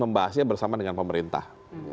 membahasnya bersama dengan pemerintah